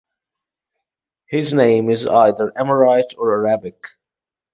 His name is either Amorite or Arabic.